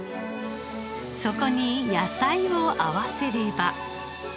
そこに野菜を合わせれば。